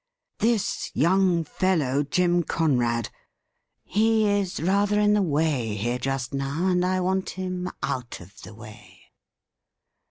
'This young fellow, Jim Conrad. He is rather in the way here just now, and I wqnt him out of the way.'